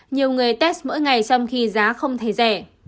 nhiều người test mỗi ngày trong khi giá không thấy rẻ